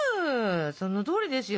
そのとおりですよ！